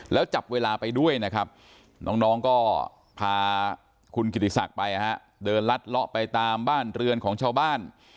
แล้วจับเวลาไปด้วยนะครับน้องก็พาคุณกิติศักดิ์ไปเดินลัดเลาะไปตามบ้านเรือนของชาวบ้าน